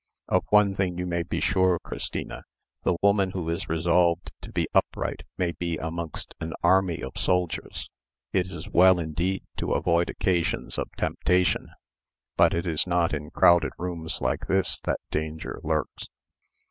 Of one thing you may be sure, Christina; the woman who is resolved to be upright may be so amongst an army of soldiers. It is well, indeed, to avoid occasions of temptation, but it is not in crowded rooms like this that danger lurks."